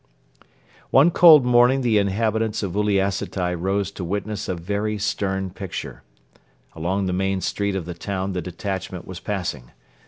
One cold morning the inhabitants of Uliassutai rose to witness a very stern picture. Along the main street of the town the detachment was passing.